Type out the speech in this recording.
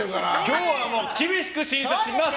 今日はもう厳しく審査します。